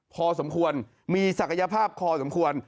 พอสมควรมีศักยภาพพอสมควร